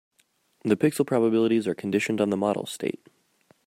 The pixel probabilities are conditioned on the model state.